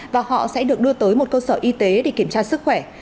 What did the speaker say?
và họ sẽ được đưa tới một cơ sở y tế để kiểm tra sức khỏe